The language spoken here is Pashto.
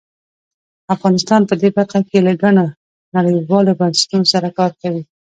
افغانستان په دې برخه کې له ګڼو نړیوالو بنسټونو سره کار کوي.